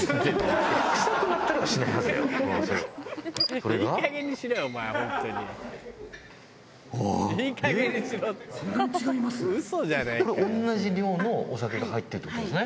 これ同じ量のお酒が入ってるって事ですね。